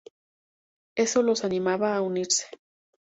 Eso los animaba a unirse.